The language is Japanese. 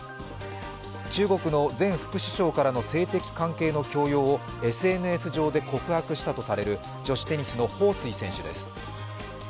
中国の前副首相からの性的関係の強要をＳＮＳ上で告白したとされる女子テニスの彭帥選手です。